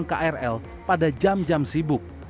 krl pada jam jam sibuk